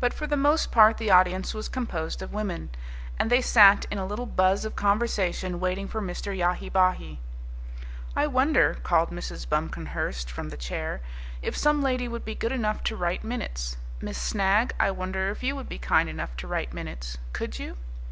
But for the most part the audience was composed of women, and they sat in a little buzz of conversation waiting for Mr. Yahi Bahi. "I wonder," called Mrs. Buncomhearst from the chair, "if some lady would be good enough to write minutes? Miss Snagg, I wonder if you would be kind enough to write minutes? Could you?"